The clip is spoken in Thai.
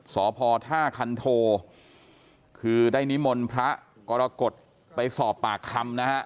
สพท่าคันโทคือได้นิมนต์พระกรกฎไปสอบปากคำนะฮะ